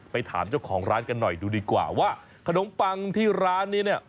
ถามเจ้าของร้านกันหน่อยดูดีกว่าว่าขนมปังที่ร้านนี้เนี่ย